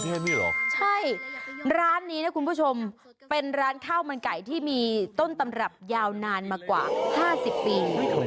ใช่นี่เหรอใช่ร้านนี้นะคุณผู้ชมเป็นร้านข้าวมันไก่ที่มีต้นตำรับยาวนานมากว่า๕๐ปี